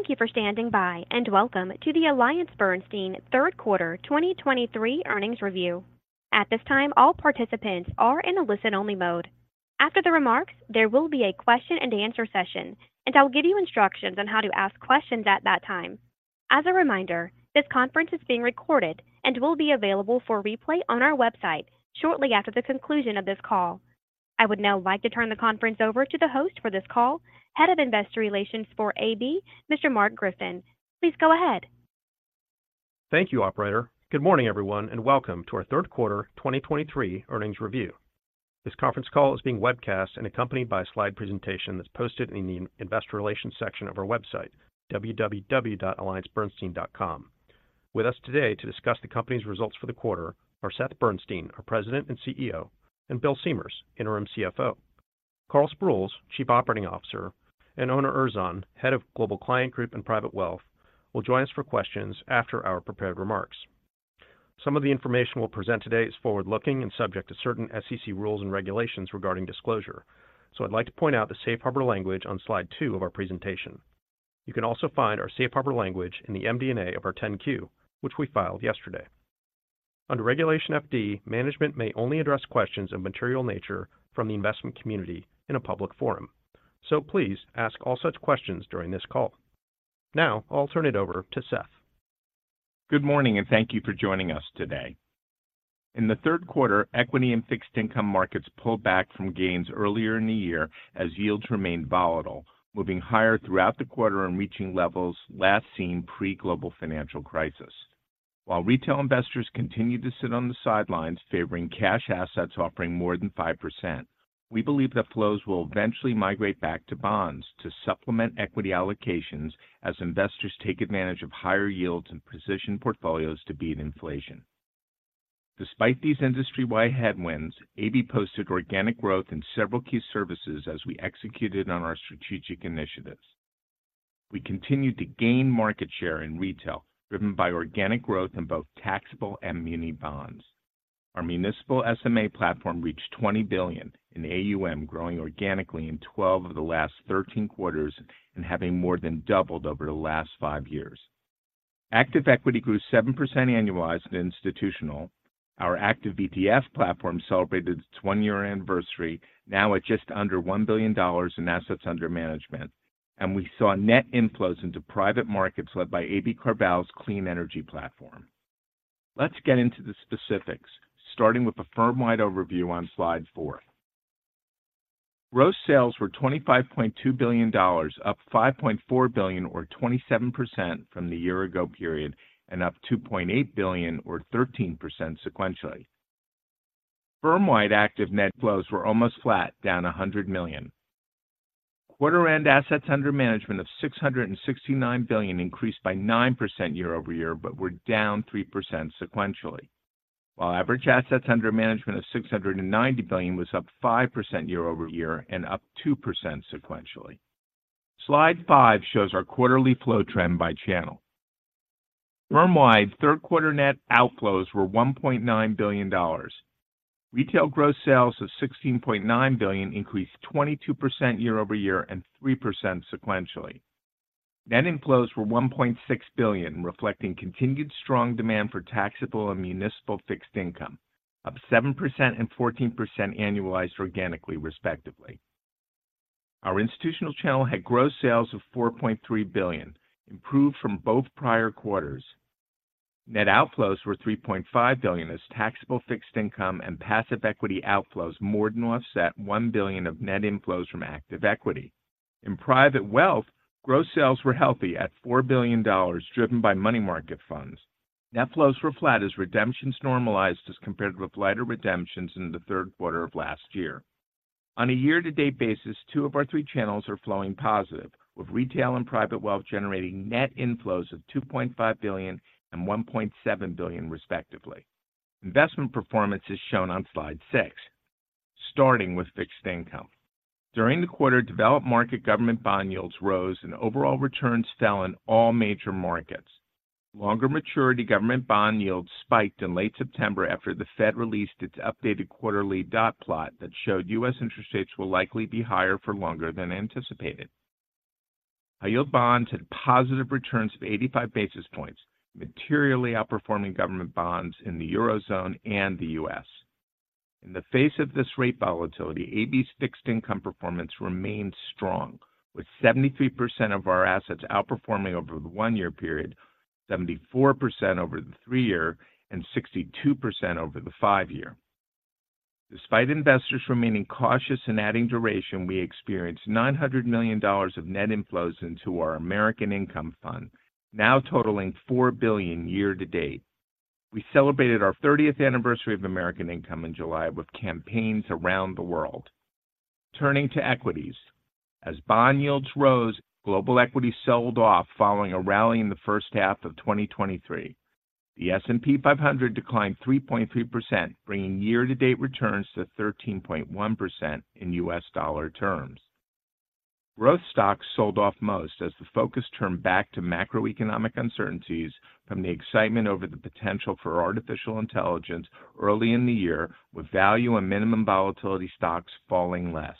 Thank you for standing by, and welcome to the AllianceBernstein Third Quarter 2023 Earnings Review. At this time, all participants are in a listen-only mode. After the remarks, there will be a question-and-answer session, and I'll give you instructions on how to ask questions at that time. As a reminder, this conference is being recorded and will be available for replay on our website shortly after the conclusion of this call. I would now like to turn the conference over to the host for this call, Head of Investor Relations for AB, Mr. Mark Griffin. Please go ahead. Thank you, operator. Good morning, everyone, and welcome to our Third Quarter 2023 Earnings Review. This conference call is being webcast and accompanied by a slide presentation that's posted in the Investor Relations section of our website, www.alliancebernstein.com. With us today to discuss the company's results for the quarter are Seth Bernstein, our President and CEO, and Bill Siemers, Interim CFO. Karl Sprules, Chief Operating Officer, and Onur Erzan, Head of Global Client Group and Private Wealth, will join us for questions after our prepared remarks. Some of the information we'll present today is forward-looking and subject to certain SEC rules and regulations regarding disclosure. So I'd like to point out the safe harbor language on slide two of our presentation. You can also find our safe harbor language in the MD&A of our 10-Q, which we filed yesterday. Under Regulation FD, management may only address questions of material nature from the investment community in a public forum. So please ask all such questions during this call. Now I'll turn it over to Seth. Good morning, and thank you for joining us today. In the third quarter, equity and fixed income markets pulled back from gains earlier in the year as yields remained volatile, moving higher throughout the quarter and reaching levels last seen pre-Global Financial Crisis. While retail investors continued to sit on the sidelines, favoring cash assets offering more than 5%, we believe that flows will eventually migrate back to bonds to supplement equity allocations as investors take advantage of higher yields and position portfolios to beat inflation. Despite these industry-wide headwinds, AB posted organic growth in several key services as we executed on our strategic initiatives. We continued to gain market share in retail, driven by organic growth in both taxable and muni bonds. Our Municipal SMA platform reached $20 billion in AUM, growing organically in 12 of the last 13 quarters and having more than doubled over the last five years. Active equity grew 7% annualized in institutional. Our active ETF platform celebrated its 20-year anniversary, now at just under $1 billion in assets under management, and we saw net inflows into private markets led by AB CarVal's Clean Energy platform. Let's get into the specifics, starting with a firm-wide overview on slide four. Gross sales were $25.2 billion, up $5.4 billion or 27% from the year ago period, and up $2.8 billion or 13% sequentially. Firm-wide active net flows were almost flat, down $100 million. Quarter-end assets under management of $669 billion increased by 9% year-over-year, but were down 3% sequentially, while average assets under management of $690 billion was up 5% year-over-year and up 2% sequentially. Slide five shows our quarterly flow trend by channel. Firm-wide, third quarter net outflows were $1.9 billion. Retail gross sales of $16.9 billion increased 22% year-over-year and 3% sequentially. Net inflows were $1.6 billion, reflecting continued strong demand for taxable and Municipal fixed income, up 7% and 14% annualized organically, respectively. Our institutional channel had gross sales of $4.3 billion, improved from both prior quarters. Net outflows were $3.5 billion, as taxable fixed income and passive equity outflows more than offset $1 billion of net inflows from active equity. In private wealth, gross sales were healthy at $4 billion, driven by money market funds. Net flows were flat as redemptions normalized as compared with lighter redemptions in the third quarter of last year. On a year-to-date basis, two of our three channels are flowing positive, with retail and private wealth generating net inflows of $2.5 billion and $1.7 billion, respectively. Investment performance is shown on slide six, starting with fixed income. During the quarter, developed market government bond yields rose and overall returns fell in all major markets. Longer maturity government bond yields spiked in late September after the Fed released its updated quarterly dot plot that showed U.S. interest rates will likely be higher for longer than anticipated. High-yield bonds had positive returns of 85 basis points, materially outperforming government bonds in the Eurozone and the U.S. In the face of this rate volatility, AB's fixed income performance remained strong, with 73% of our assets outperforming over the one-year period, 74% over the three-year, and 62% over the five-year. Despite investors remaining cautious and adding duration, we experienced $900 million of net inflows into our American Income Fund, now totaling $4 billion year to date. We celebrated our 30th anniversary of American Income in July with campaigns around the world. Turning to equities. As bond yields rose, global equities sold off following a rally in the first half of 2023. The S&P 500 declined 3.3%, bringing year-to-date returns to 13.1% in U.S. dollar terms. Growth stocks sold off most as the focus turned back to macroeconomic uncertainties from the excitement over the potential for artificial intelligence early in the year, with value and minimum volatility stocks falling less.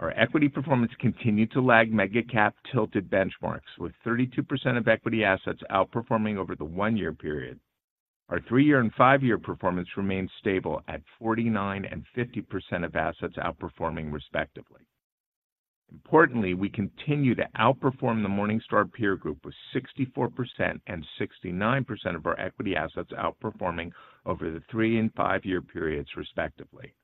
Our equity performance continued to lag mega cap-tilted benchmarks, with 32% of equity assets outperforming over the one-year period. Our three-year and five-year performance remained stable at 49% and 50% of assets outperforming, respectively. Importantly, we continue to outperform the Morningstar peer group, with 64% and 69% of our equity assets outperforming over the three and five-year periods, respectively.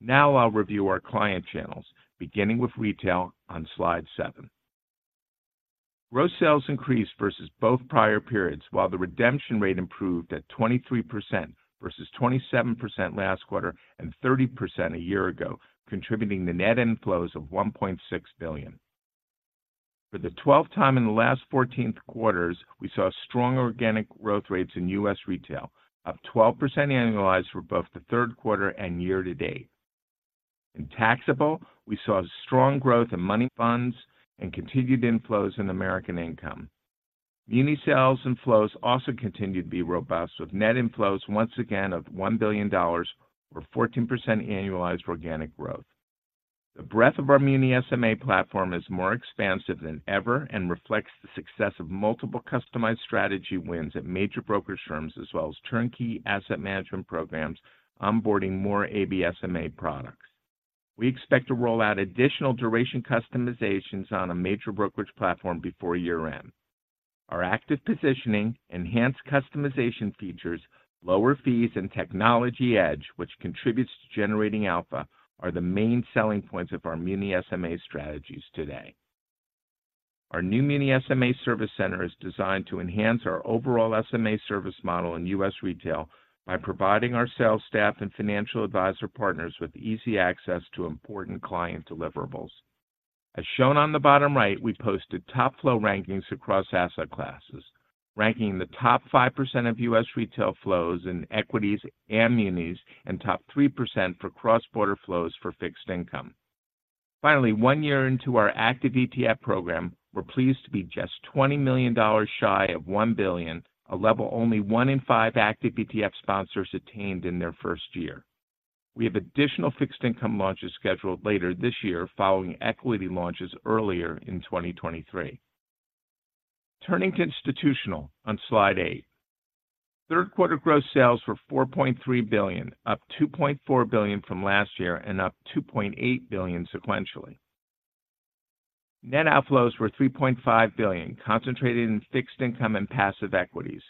Now I'll review our client channels, beginning with retail on slide seven. Gross sales increased versus both prior periods, while the redemption rate improved at 23% versus 27% last quarter and 30% a year ago, contributing to net inflows of $1.6 billion. For the 12th time in the last 14th quarters, we saw strong organic growth rates in U.S. retail, up 12% annualized for both the third quarter and year-to-date. In taxable, we saw strong growth in money funds and continued inflows in American Income. Muni sales and flows also continued to be robust, with net inflows once again of $1 billion or 14% annualized organic growth. The breadth of our Muni SMA platform is more expansive than ever and reflects the success of multiple customized strategy wins at major brokerage firms, as well as turnkey asset management programs onboarding more AB SMA products. We expect to roll out additional duration customizations on a major brokerage platform before year-end. Our active positioning, enhanced customization features, lower fees, and technology edge, which contributes to generating alpha, are the main selling points of our Muni SMA strategies today. Our new Muni SMA service center is designed to enhance our overall SMA service model in U.S. retail by providing our sales staff and financial advisor partners with easy access to important client deliverables. As shown on the bottom right, we posted top flow rankings across asset classes, ranking in the top 5% of U.S. retail flows in equities and munis, and top 3% for cross-border flows for fixed income. Finally, one year into our Active ETF program, we're pleased to be just $20 million shy of $1 billion, a level only 1 in 5 Active ETF sponsors attained in their first year. We have additional fixed income launches scheduled later this year, following equity launches earlier in 2023. Turning to institutional on slide eight. Third quarter gross sales were $4.3 billion, up $2.4 billion from last year and up $2.8 billion sequentially. Net outflows were $3.5 billion, concentrated in fixed income and passive equities.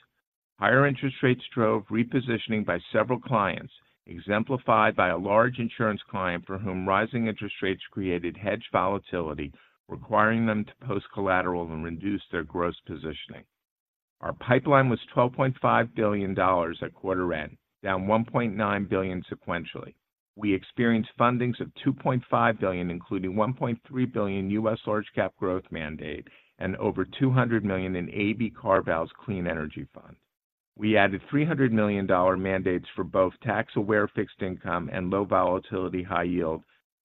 Higher interest rates drove repositioning by several clients, exemplified by a large insurance client for whom rising interest rates created hedge volatility, requiring them to post collateral and reduce their gross positioning. Our pipeline was $12.5 billion at quarter end, down $1.9 billion sequentially. We experienced fundings of $2.5 billion, including $1.3 billion U.S. Large Cap Growth mandate and over $200 million in AB CarVal's Clean Energy Fund. We added $300 million mandates for both tax-aware fixed income and low volatility high yield,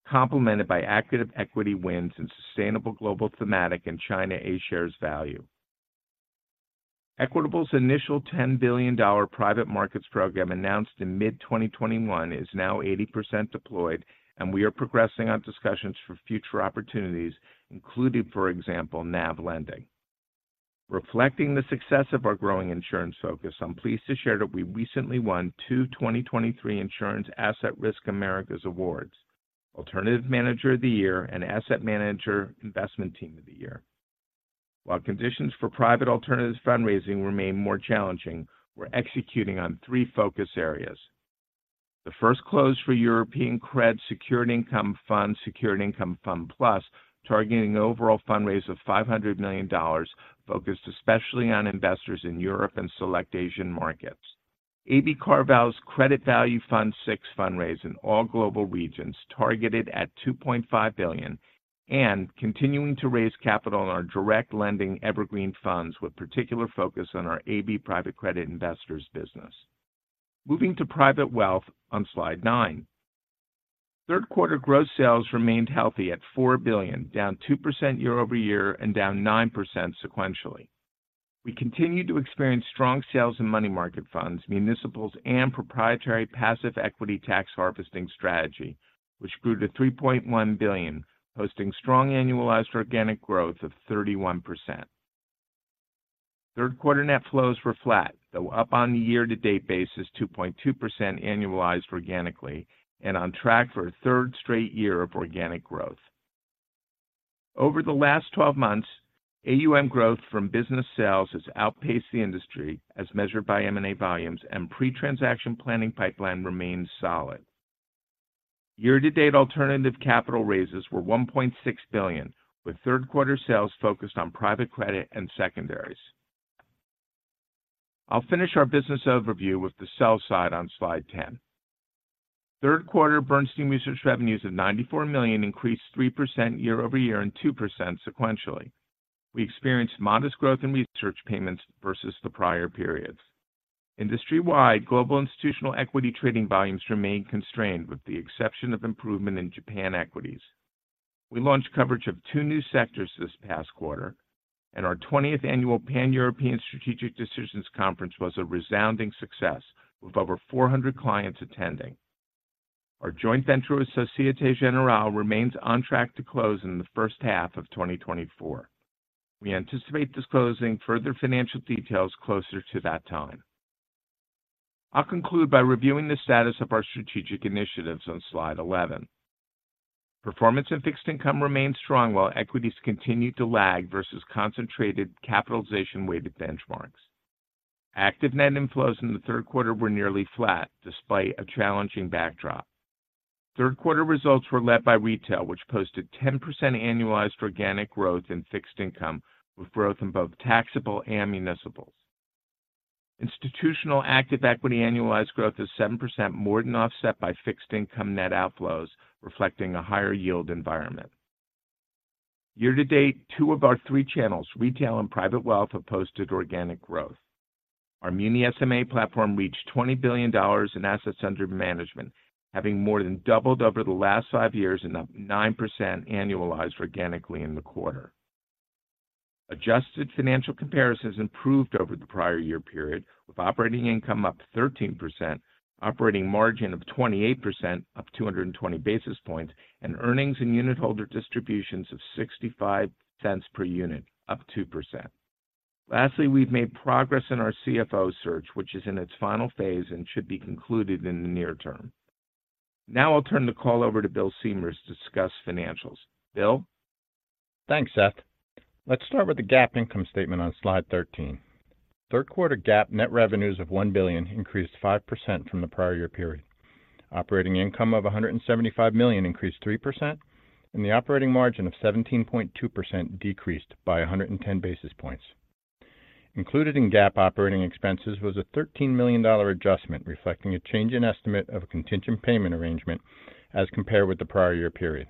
complemented by active equity wins in Sustainable Global Thematic and China A-shares value. Equitable's initial $10 billion private markets program, announced in mid-2021, is now 80% deployed, and we are progressing on discussions for future opportunities, including, for example, NAV lending. Reflecting the success of our growing insurance focus, I'm pleased to share that we recently won two 2023 Insurance Asset Risk Americas Awards: Alternative Manager of the Year and Asset Manager Investment Team of the Year. While conditions for private alternatives fundraising remain more challenging, we're executing on three focus areas. The first close for European Credit Secured Income Fund Plus, targeting an overall fundraise of $500 million, focused especially on investors in Europe and select Asian markets. AB CarVal's Credit Value Fund VI fundraise in all global regions, targeted at $2.5 billion and continuing to raise capital in our direct lending evergreen funds, with particular focus on our AB Private Credit Investors business. Moving to private wealth on slide nine. Third quarter gross sales remained healthy at $4 billion, down 2% year-over-year and down 9% sequentially. We continued to experience strong sales in Money Market Funds, municipals, and proprietary passive equity tax harvesting strategy, which grew to $3.1 billion, posting strong annualized organic growth of 31%. Third quarter net flows were flat, though up on the year-to-date basis, 2.2% annualized organically and on track for a third straight year of organic growth. Over the last 12 months, AUM growth from business sales has outpaced the industry as measured by M&A volumes, and pre-transaction planning pipeline remains solid. Year-to-date alternative capital raises were $1.6 billion, with third quarter sales focused on private credit and secondaries. I'll finish our business overview with the sell side on slide 10. Third quarter Bernstein Research revenues of $94 million increased 3% year-over-year and 2% sequentially. We experienced modest growth in research payments versus the prior periods. Industry-wide, global institutional equity trading volumes remained constrained, with the exception of improvement in Japan equities. We launched coverage of two new sectors this past quarter and our 20th Annual Pan-European Strategic Decisions Conference was a resounding success, with over 400 clients attending. Our joint venture with Société Générale remains on track to close in the first half of 2024. We anticipate disclosing further financial details closer to that time. I'll conclude by reviewing the status of our strategic initiatives on slide 11. Performance in fixed income remained strong, while equities continued to lag versus concentrated capitalization-weighted benchmarks. Active net inflows in the third quarter were nearly flat, despite a challenging backdrop. Third-quarter results were led by retail, which posted 10% annualized organic growth in fixed income, with growth in both taxable and municipals. Institutional active equity annualized growth is 7%, more than offset by fixed income net outflows, reflecting a higher yield environment. Year to date, two of our three channels, Retail and Private Wealth, have posted organic growth. Our Muni SMA platform reached $20 billion in assets under management, having more than doubled over the last five years and up 9% annualized organically in the quarter. Adjusted financial comparisons improved over the prior year period, with operating income up 13%, operating margin of 28% up 220 basis points, and earnings in unitholder distributions of $0.65 per unit, up 2%. Lastly, we've made progress in our CFO search, which is in its final phase and should be concluded in the near term. Now I'll turn the call over to Bill Siemers to discuss financials. Bill? Thanks, Seth. Let's start with the GAAP income statement on slide 13. Third quarter GAAP net revenues of $1 billion increased 5% from the prior year period. Operating income of $175 million increased 3%, and the operating margin of 17.2% decreased by 110 basis points. Included in GAAP operating expenses was a $13 million adjustment, reflecting a change in estimate of a contingent payment arrangement as compared with the prior year period.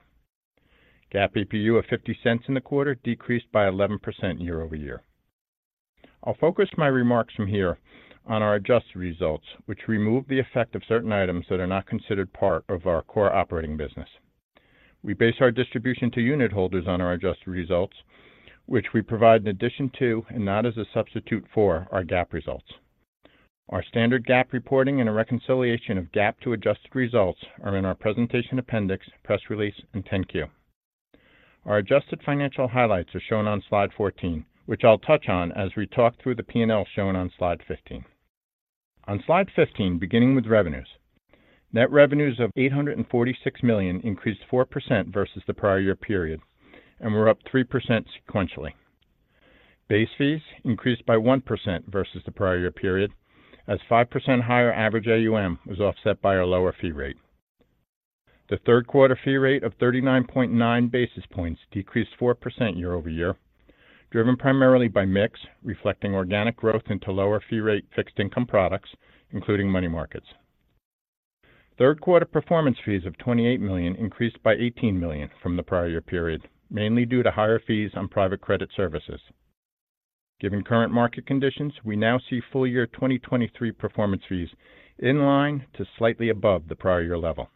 GAAP EPU of $0.50 in the quarter decreased by 11% year-over-year. I'll focus my remarks from here on our adjusted results, which remove the effect of certain items that are not considered part of our core operating business. We base our distribution to unitholders on our adjusted results, which we provide in addition to, and not as a substitute for, our GAAP results. Our standard GAAP reporting and a reconciliation of GAAP to adjusted results are in our presentation appendix, press release and 10-Q. Our adjusted financial highlights are shown on slide 14, which I'll touch on as we talk through the P&L shown on slide 15. On slide 15, beginning with revenues. Net revenues of $846 million increased 4% versus the prior year period and were up 3% sequentially. Base fees increased by 1% versus the prior year period, as 5% higher average AUM was offset by a lower fee rate. The third quarter fee rate of 39.9 basis points decreased 4% year-over-year, driven primarily by mix, reflecting organic growth into lower fee rate fixed income products, including Money Markets. Third quarter performance fees of $28 million increased by $18 million from the prior year period, mainly due to higher fees on private credit services. Given current market conditions, we now see full year 2023 performance fees in line to slightly above the prior year level.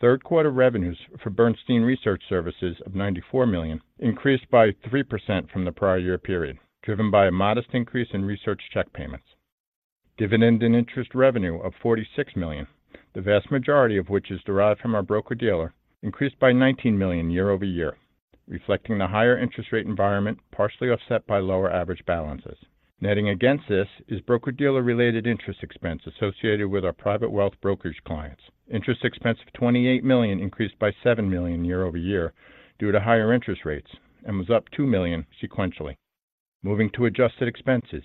Third quarter revenues for Bernstein Research Services of $94 million increased by 3% from the prior year period, driven by a modest increase in research check payments. Dividend and interest revenue of $46 million, the vast majority of which is derived from our broker-dealer, increased by $19 million year-over-year, reflecting the higher interest rate environment, partially offset by lower average balances. Netting against this is broker-dealer-related interest expense associated with our private wealth brokerage clients. Interest expense of $28 million increased by $7 million year-over-year due to higher interest rates and was up $2 million sequentially. Moving to adjusted expenses.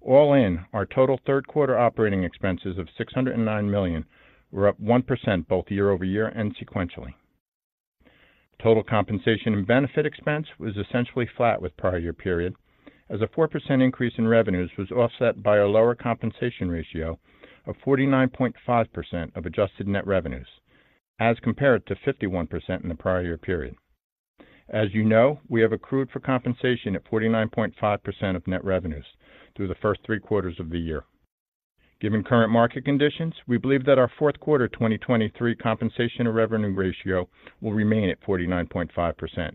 All in, our total third quarter operating expenses of $609 million were up 1% both year-over-year and sequentially. Total compensation and benefit expense was essentially flat with prior-year period, as a 4% increase in revenues was offset by a lower compensation ratio of 49.5% of adjusted net revenues, as compared to 51% in the prior-year period. As you know, we have accrued for compensation at 49.5% of net revenues through the first three quarters of the year. Given current market conditions, we believe that our fourth quarter 2023 compensation to revenue ratio will remain at 49.5%,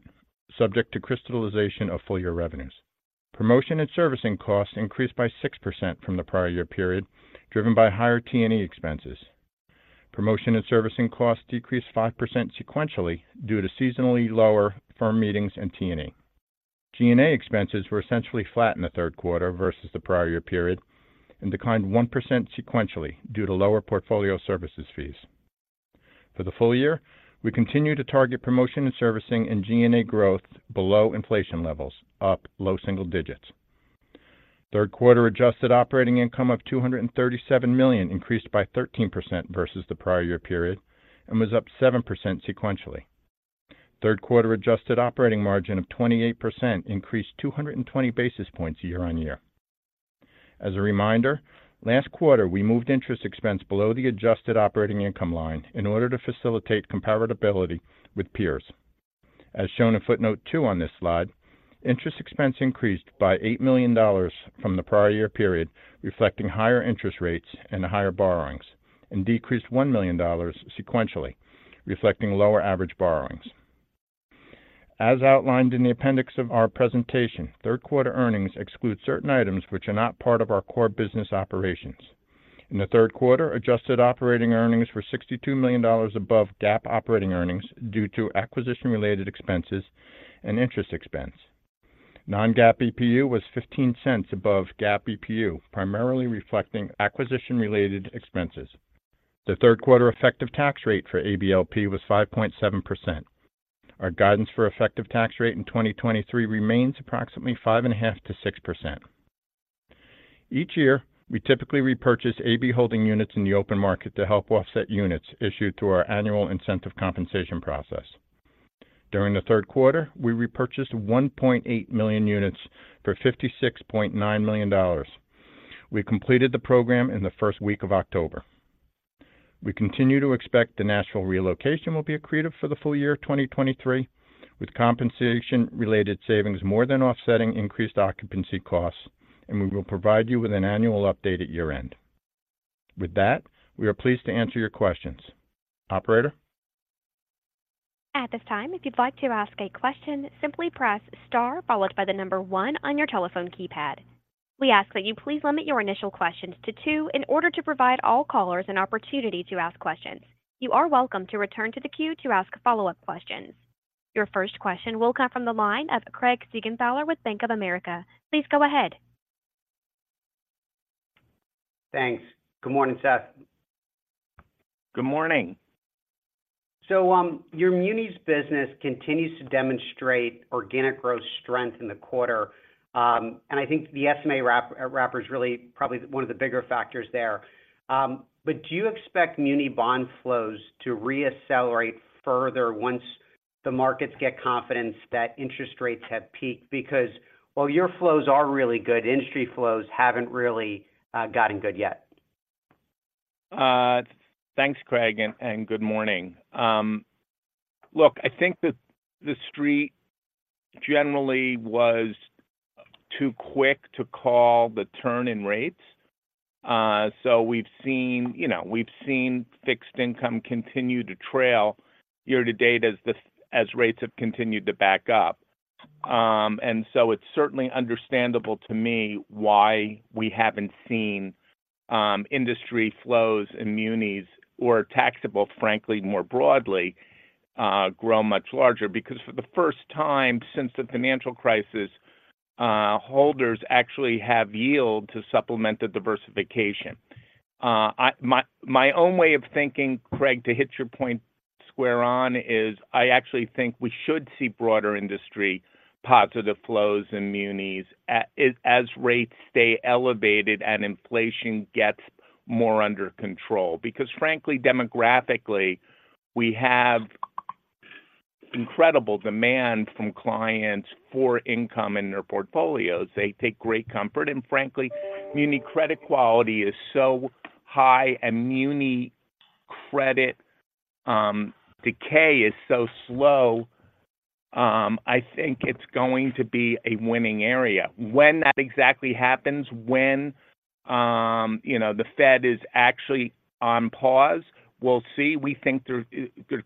subject to crystallization of full year revenues. Promotion and servicing costs increased by 6% from the prior year period, driven by higher T&E expenses. Promotion and servicing costs decreased 5% sequentially due to seasonally lower firm meetings and T&E. G&A expenses were essentially flat in the third quarter versus the prior year period and declined 1% sequentially due to lower portfolio services fees. For the full year, we continue to target promotion and servicing and G&A growth below inflation levels, up low single digits. Third quarter Adjusted Operating Income of $237 million increased by 13% versus the prior year period and was up 7% sequentially. Third quarter Adjusted Operating Margin of 28% increased 220 basis points year-on-year. As a reminder, last quarter, we moved interest expense below the Adjusted Operating Income line in order to facilitate comparability with peers. As shown in footnote two on this slide, interest expense increased by $8 million from the prior year period, reflecting higher interest rates and higher borrowings and decreased $1 million sequentially, reflecting lower average borrowings. As outlined in the appendix of our presentation, third quarter earnings exclude certain items which are not part of our core business operations. In the third quarter, Adjusted Operating Earnings were $62 million above GAAP operating earnings due to acquisition-related expenses and interest expense. Non-GAAP EPU was $0.15 above GAAP EPU, primarily reflecting acquisition-related expenses. The third quarter effective tax rate for ABLP was 5.7%. Our guidance for effective tax rate in 2023 remains approximately 5.5%-6%. Each year, we typically repurchase AB holding units in the open market to help offset units issued through our annual incentive compensation process. During the third quarter, we repurchased 1.8 million units for $56.9 million. We completed the program in the first week of October. We continue to expect the national relocation will be accretive for the full year of 2023, with compensation-related savings more than offsetting increased occupancy costs, and we will provide you with an annual update at year-end. With that, we are pleased to answer your questions. Operator? At this time, if you'd like to ask a question, simply press star, followed by the number one on your telephone keypad. We ask that you please limit your initial questions to two in order to provide all callers an opportunity to ask questions. You are welcome to return to the queue to ask follow-up questions. Your first question will come from the line of Craig Siegenthaler with Bank of America. Please go ahead. Thanks. Good morning, Seth. Good morning. Your munis business continues to demonstrate organic growth strength in the quarter, and I think the SMA wrap, wrapper is really probably one of the bigger factors there. But do you expect muni bond flows to reaccelerate further once the markets get confidence that interest rates have peaked? Because while your flows are really good, industry flows haven't really gotten good yet. Thanks, Craig, and good morning. Look, I think that the street generally was too quick to call the turn in rates. So we've seen, you know, we've seen fixed income continue to trail year to date as rates have continued to back up. And so it's certainly understandable to me why we haven't seen industry flows and munis or taxable, frankly, more broadly, grow much larger, because for the first time since the financial crisis, holders actually have yield to supplement the diversification. My own way of thinking, Craig, to hit your point square on, is I actually think we should see broader industry positive flows and munis, as rates stay elevated and inflation gets more under control. Because frankly, demographically, we have incredible demand from clients for income in their portfolios. They take great comfort, and frankly, muni credit quality is so high and muni credit decay is so slow. I think it's going to be a winning area. When that exactly happens, when you know, the Fed is actually on pause, we'll see. We think there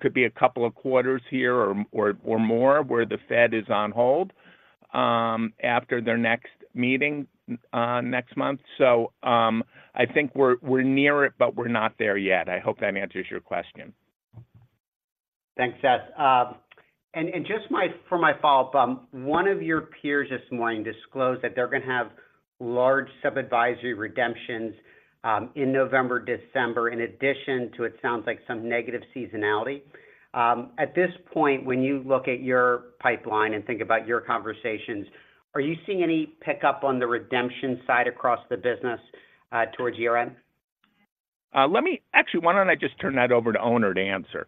could be a couple of quarters here or more where the Fed is on hold after their next meeting next month. So, I think we're near it, but we're not there yet. I hope that answers your question. Thanks, Seth. And just for my follow-up, one of your peers this morning disclosed that they're going to have large sub-advisory redemptions in November, December, in addition to, it sounds like, some negative seasonality. At this point, when you look at your pipeline and think about your conversations, are you seeing any pickup on the redemption side across the business, towards your end? Actually, why don't I just turn that over to Onur to answer?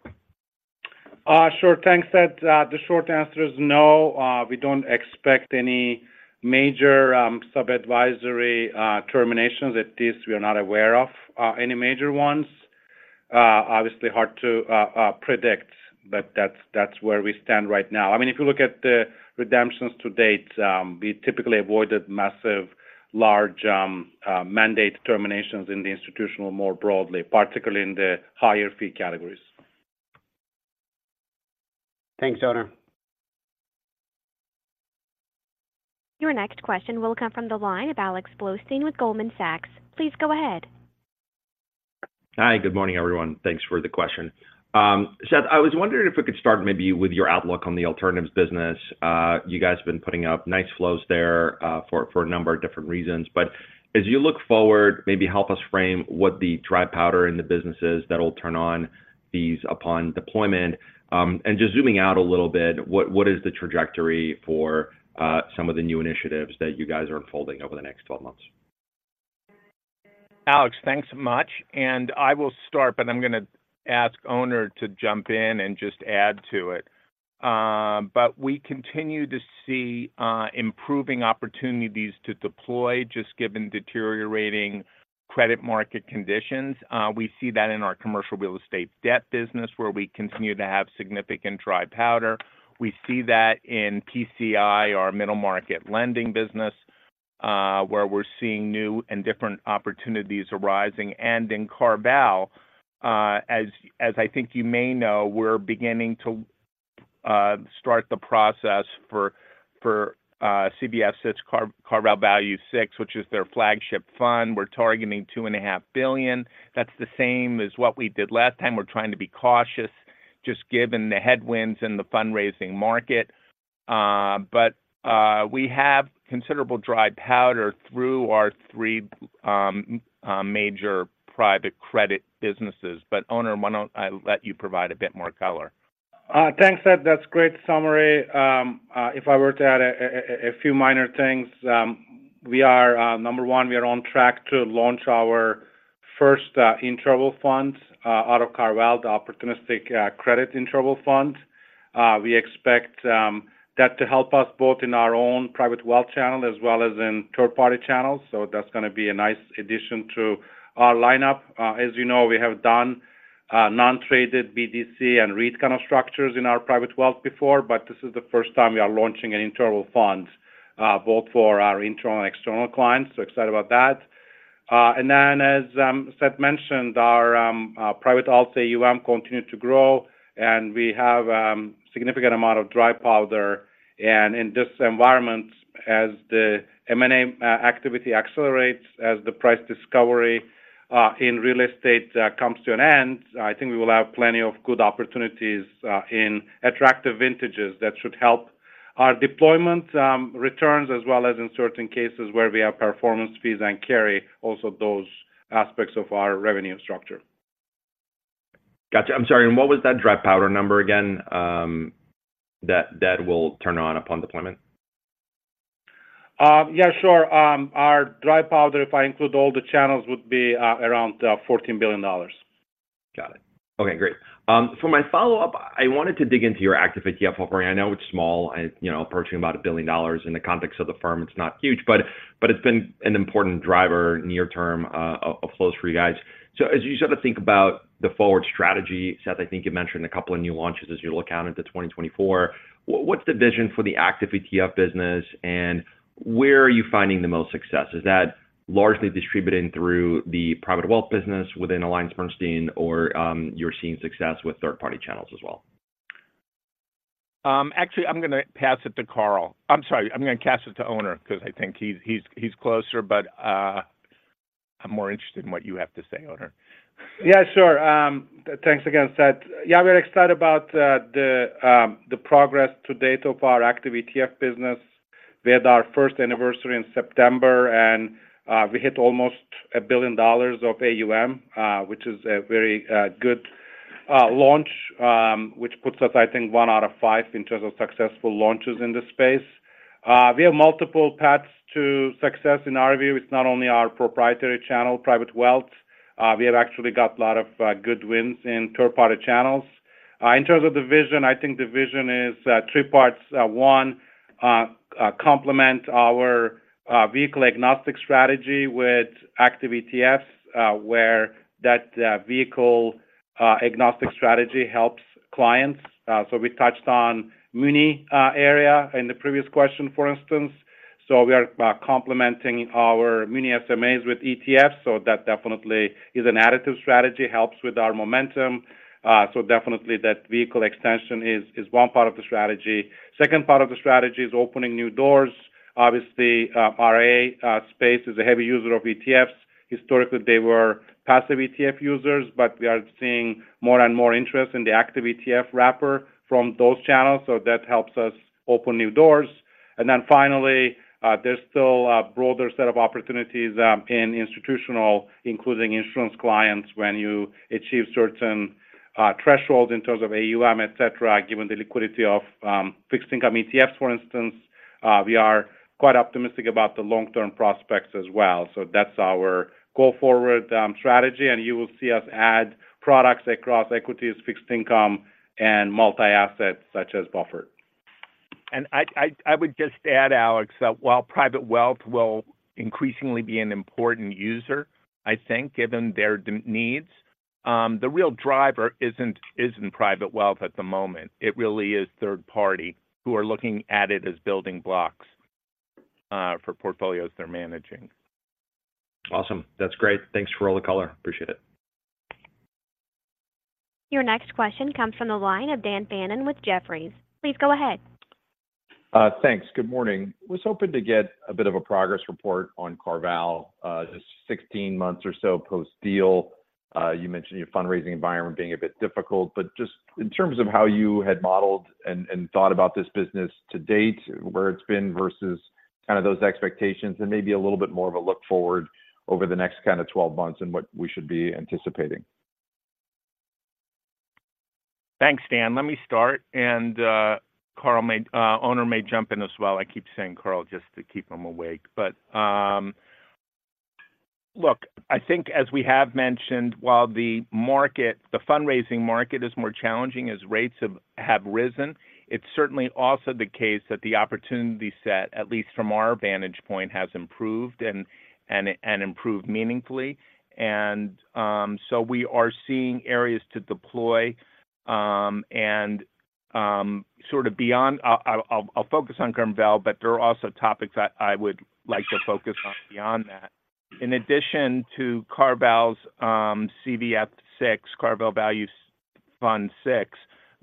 Sure. Thanks, Seth. The short answer is no. We don't expect any major sub-advisory terminations. At least we are not aware of any major ones. Obviously hard to predict, but that's where we stand right now. I mean, if you look at the redemptions to date, we typically avoided massive, large mandate terminations in the institutional more broadly, particularly in the higher fee categories. Thanks, Onur. Your next question will come from the line of Alex Blostein with Goldman Sachs. Please go ahead. Hi, good morning, everyone. Thanks for the question. Seth, I was wondering if we could start maybe with your outlook on the alternatives business. You guys have been putting up nice flows there, for, for a number of different reasons. But as you look forward, maybe help us frame what the dry powder in the business is that will turn on these upon deployment. And just zooming out a little bit, what, what is the trajectory for, some of the new initiatives that you guys are unfolding over the next 12 months? Alex, thanks so much. And I will start, but I'm going to ask Onur to jump in and just add to it. But we continue to see improving opportunities to deploy, just given deteriorating credit market conditions. We see that in our commercial real estate debt business, where we continue to have significant dry powder. We see that in TCI, our middle market lending business, where we're seeing new and different opportunities arising. And in CarVal, as I think you may know, we're beginning to start the process for CV VI, CarVal Value VI, which is their flagship fund. We're targeting $2.5 billion. That's the same as what we did last time. We're trying to be cautious, just given the headwinds in the fundraising market. We have considerable dry powder through our three major private credit businesses. But Onur, why don't I let you provide a bit more color? Thanks, Seth. That's a great summary. If I were to add a few minor things, we are number one, we are on track to launch our first interval fund out of CarVal, the Opportunistic Credit Interval Fund. We expect that to help us both in our own private wealth channel as well as in third-party channels, so that's gonna be a nice addition to our lineup. As you know, we have done non-traded BDC and REIT kind of structures in our private wealth before, but this is the first time we are launching an interval fund both for our internal and external clients, so excited about that. And then, as Seth mentioned, our private alt AUM continued to grow, and we have significant amount of dry powder. And in this environment, as the M&A activity accelerates, as the price discovery in real estate comes to an end, I think we will have plenty of good opportunities in attractive vintages that should help our deployment returns, as well as in certain cases where we have performance fees and carry, also those aspects of our revenue structure. Gotcha. I'm sorry, and what was that dry powder number again, that will turn on upon deployment? Yeah, sure. Our dry powder, if I include all the channels, would be around $14 billion. Got it. Okay, great. For my follow-up, I wanted to dig into your Active ETF offering. I know it's small, and, you know, approaching about $1 billion. In the context of the firm, it's not huge, but it's been an important driver near term of flows for you guys. So as you sort of think about the forward strategy, Seth, I think you mentioned a couple of new launches as you look out into 2024, what's the vision for the Active ETF business, and where are you finding the most success? Is that largely distributed through the private wealth business within AllianceBernstein, or you're seeing success with third-party channels as well? Actually, I'm gonna pass it to Karl. I'm sorry, I'm gonna pass it to Onur, because I think he's closer. But, I'm more interested in what you have to say, Onur. Yeah, sure. Thanks again, Seth. Yeah, we're excited about the progress to date of our Active ETF business. We had our first anniversary in September, and we hit almost $1 billion of AUM, which is a very good launch, which puts us, I think, one out of five in terms of successful launches in this space. We have multiple paths to success. In our view, it's not only our proprietary channel, private wealth. We have actually got a lot of good wins in third-party channels. In terms of the vision, I think the vision is three parts. One, complement our vehicle-agnostic strategy with active ETFs, where that vehicle agnostic strategy helps clients. So we touched on muni area in the previous question, for instance. So we are complementing our Muni SMAs with ETFs, so that definitely is an additive strategy, helps with our momentum. So definitely that vehicle extension is one part of the strategy. Second part of the strategy is opening new doors. Obviously, IRA space is a heavy user of ETFs. Historically, they were passive ETF users, but we are seeing more and more interest in the Active ETF wrapper from those channels, so that helps us open new doors. And then finally, there's still a broader set of opportunities in institutional, including insurance clients, when you achieve certain thresholds in terms of AUM, et cetera, given the liquidity of fixed income ETFs, for instance. We are quite optimistic about the long-term prospects as well. So that's our go-forward, strategy, and you will see us add products across equities, fixed income, and multi-assets such as Buffer. I would just add, Alex, that while private wealth will increasingly be an important user, I think, given their needs, the real driver isn't private wealth at the moment. It really is third party, who are looking at it as building blocks for portfolios they're managing. Awesome. That's great. Thanks for all the color. Appreciate it. Your next question comes from the line of Dan Fannon with Jefferies. Please go ahead. Thanks. Good morning. Was hoping to get a bit of a progress report on CarVal, just 16 months or so post-deal. You mentioned your fundraising environment being a bit difficult, but just in terms of how you had modeled and, and thought about this business to date, where it's been versus kind of those expectations, and maybe a little bit more of a look forward over the next kind of 12 months and what we should be anticipating. Thanks, Dan. Let me start, and Carl may Onur may jump in as well. I keep saying, Carl, just to keep him awake. But look, I think as we have mentioned, while the market, the fundraising market is more challenging as rates have risen, it's certainly also the case that the opportunity set, at least from our vantage point, has improved and improved meaningfully. And so we are seeing areas to deploy. And sort of beyond, I'll focus on CarVal, but there are also topics I would like to focus on beyond that. In addition to CarVal's CVF VI, CarVal Value Fund VI,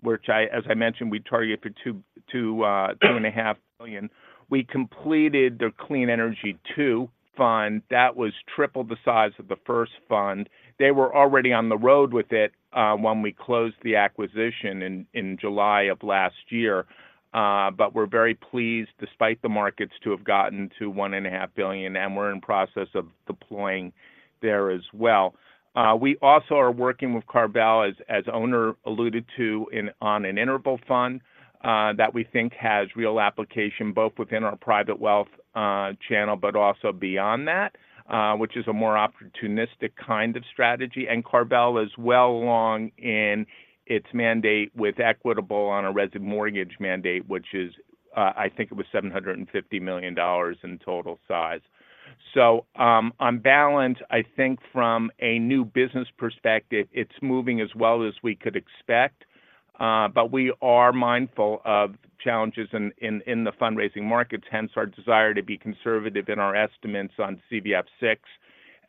which as I mentioned, we targeted for $2.5 billion. We completed the Clean Energy Fund II. That was triple the size of the first fund. They were already on the road with it, when we closed the acquisition in July of last year, but we're very pleased, despite the markets, to have gotten to $1.5 billion, and we're in process of deploying there as well. We also are working with CarVal, as Onur alluded to, on an interval fund, that we think has real application, both within our private wealth channel, but also beyond that, which is a more opportunistic kind of strategy. CarVal is well along in its mandate with Equitable on a residential mortgage mandate, which is, I think it was $750 million in total size. So, on balance, I think from a new business perspective, it's moving as well as we could expect, but we are mindful of challenges in the fundraising markets, hence our desire to be conservative in our estimates on CVF VI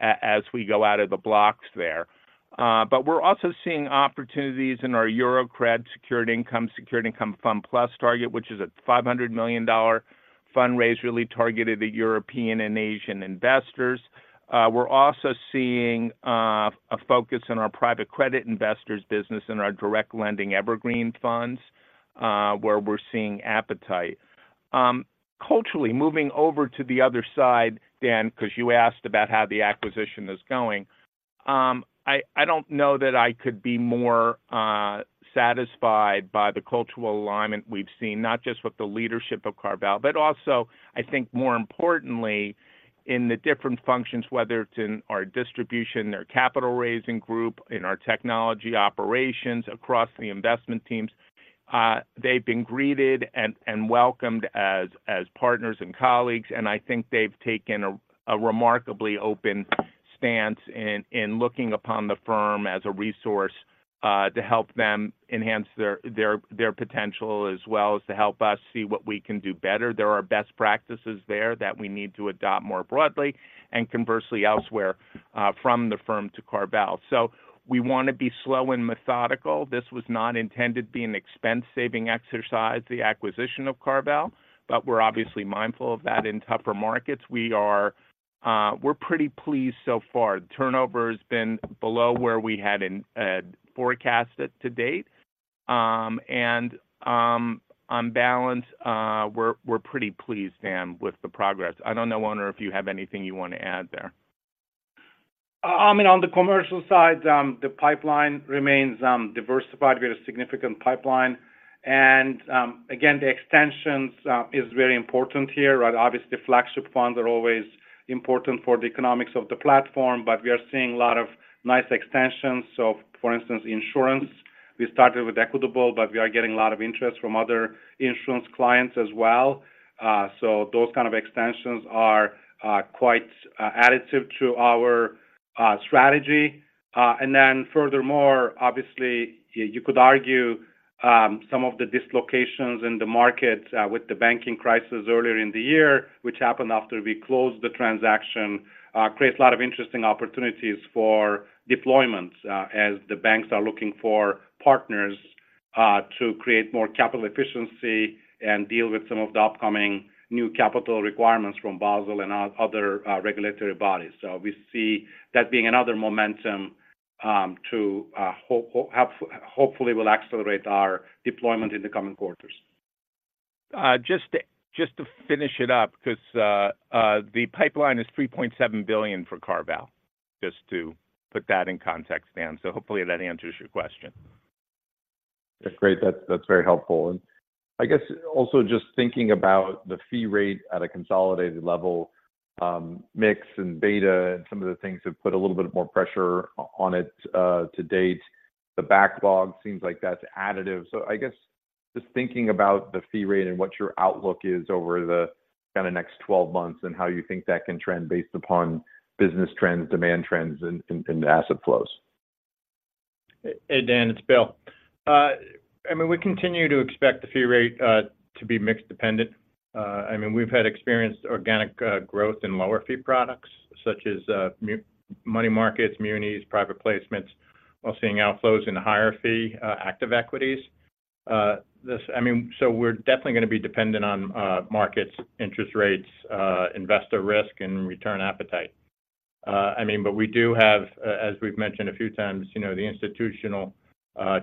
as we go out of the blocks there. But we're also seeing opportunities in our European Commercial Real Estate Secured Income Fund Plus target, which is a $500 million fundraise really targeted at European and Asian investors. We're also seeing a focus in our private credit investors business and our direct lending evergreen funds, where we're seeing appetite. Culturally, moving over to the other side, Dan, 'cause you asked about how the acquisition is going. I don't know that I could be more satisfied by the cultural alignment we've seen, not just with the leadership of CarVal, but also, I think more importantly, in the different functions, whether it's in our distribution, their capital raising group, in our technology operations across the investment teams. They've been greeted and welcomed as partners and colleagues, and I think they've taken a remarkably open stance in looking upon the firm as a resource to help them enhance their potential, as well as to help us see what we can do better. There are best practices there that we need to adopt more broadly, and conversely, elsewhere from the firm to CarVal. So we want to be slow and methodical. This was not intended to be an expense-saving exercise, the acquisition of CarVal, but we're obviously mindful of that in tougher markets. We are, we're pretty pleased so far. The turnover has been below where we had in, forecasted to date. And, on balance, we're, we're pretty pleased, Dan, with the progress. I don't know, Onur, if you have anything you want to add there? I mean, on the commercial side, the pipeline remains diversified. We have a significant pipeline, and, again, the extensions is very important here, right? Obviously, flagship funds are always important for the economics of the platform, but we are seeing a lot of nice extensions. So, for instance, insurance, we started with Equitable, but we are getting a lot of interest from other insurance clients as well. So those kind of extensions are quite additive to our strategy. And then furthermore, obviously, you could argue, some of the dislocations in the market, with the banking crisis earlier in the year, which happened after we closed the transaction, creates a lot of interesting opportunities for deployment, as the banks are looking for partners, to create more capital efficiency and deal with some of the upcoming new capital requirements from Basel and other regulatory bodies. So we see that being another momentum, to hopefully will accelerate our deployment in the coming quarters. Just to finish it up, 'cause the pipeline is $3.7 billion for CarVal, just to put that in context, Dan. So hopefully that answers your question. Great. That's, that's very helpful. And I guess also just thinking about the fee rate at a consolidated level, mix and beta and some of the things have put a little bit more pressure on it to date. The backlog seems like that's additive. So I guess just thinking about the fee rate and what your outlook is over the kind of next 12 months, and how you think that can trend based upon business trends, demand trends, and asset flows. Hey, Dan, it's Bill. I mean, we continue to expect the fee rate to be mix dependent. I mean, we've experienced organic growth in lower fee products, such as money markets, munis, private placements, while seeing outflows in higher fee active equities. I mean, so we're definitely going to be dependent on markets, interest rates, investor risk, and return appetite. I mean, but we do have, as we've mentioned a few times, you know, the institutional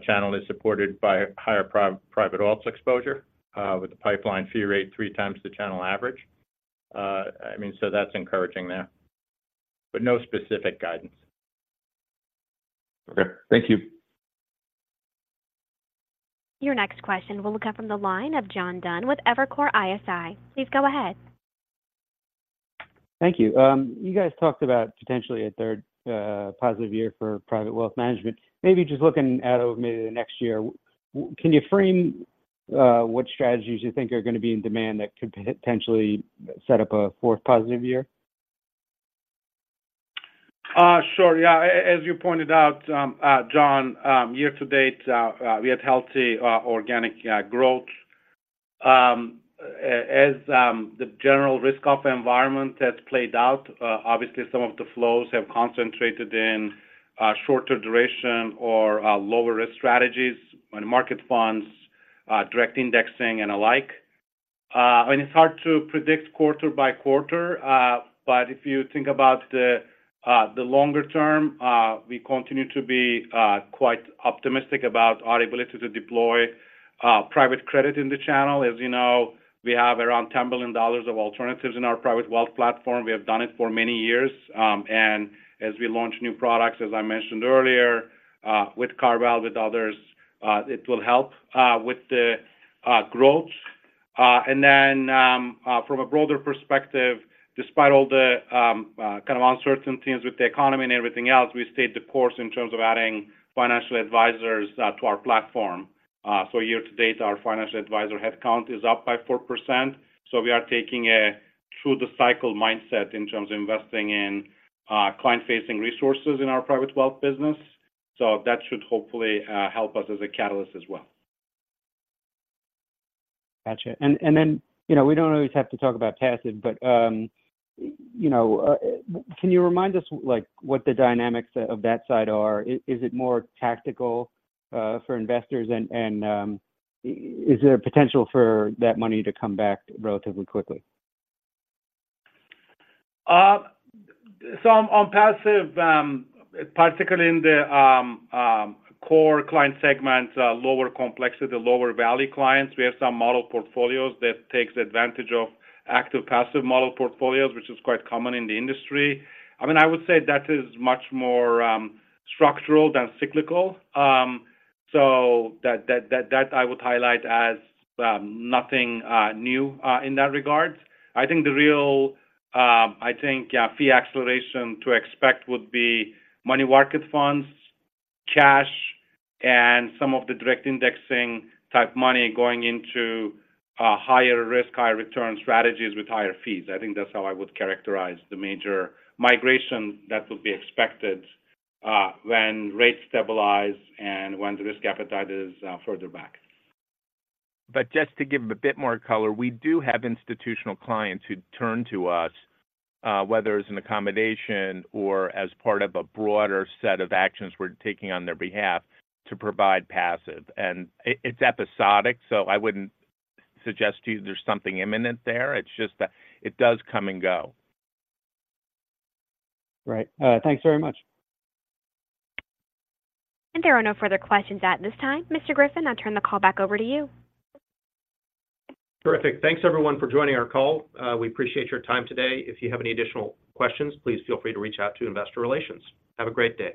channel is supported by higher private alt exposure, with the pipeline fee rate three times the channel average. I mean, so that's encouraging there, but no specific guidance. Okay. Thank you. Your next question will come from the line of John Dunn with Evercore ISI. Please go ahead. Thank you. You guys talked about potentially a third positive year for private wealth management. Maybe just looking out over maybe the next year, can you frame what strategies you think are going to be in demand that could potentially set up a fourth positive year? Sure. Yeah, as you pointed out, John, year to date, we had healthy organic growth. As the general risk-off environment has played out, obviously some of the flows have concentrated in shorter duration or lower risk strategies, on market funds, direct indexing and alike. And it's hard to predict quarter by quarter, but if you think about the longer term, we continue to be quite optimistic about our ability to deploy private credit in the channel. As you know, we have around $10 billion of alternatives in our private wealth platform. We have done it for many years. And as we launch new products, as I mentioned earlier, with CarVal, with others, it will help with the growth. And then, from a broader perspective, despite all the, kind of uncertainties with the economy and everything else, we stayed the course in terms of adding financial advisors, to our platform. So year to date, our financial advisor headcount is up by 4%, so we are taking a through the cycle mindset in terms of investing in, client-facing resources in our private wealth business. So that should hopefully, help us as a catalyst as well. Gotcha. And then, you know, we don't always have to talk about passive, but, you know, can you remind us, like, what the dynamics of that side are? Is it more tactical, for investors, and, is there a potential for that money to come back relatively quickly? So on passive, particularly in the core client segment, lower complexity, lower value clients, we have some model portfolios that takes advantage of active passive model portfolios, which is quite common in the industry. I mean, I would say that is much more structural than cyclical. So that I would highlight as nothing new in that regard. I think the real fee acceleration to expect would be money market Funds, cash, and some of the direct indexing type money going into higher risk, higher return strategies with higher fees. I think that's how I would characterize the major migration that would be expected when rates stabilize and when the risk appetite is further back. Just to give a bit more color, we do have institutional clients who turn to us, whether it's an accommodation or as part of a broader set of actions we're taking on their behalf to provide passive. It’s episodic, so I wouldn’t suggest to you there’s something imminent there. It’s just that it does come and go. Right. Thanks very much. There are no further questions at this time. Mr. Griffin, I'll turn the call back over to you. Terrific. Thanks, everyone, for joining our call. We appreciate your time today. If you have any additional questions, please feel free to reach out to Investor Relations. Have a great day.